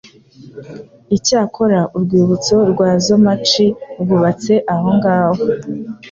Icyakora, urwibutso rwa Zomachi rwubatse aho ngaho,